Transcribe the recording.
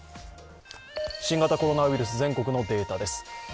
新型コロナウイルス、全国のデータです。